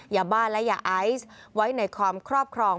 ยาบ้าและยาไอซ์ไว้ในความครอบครอง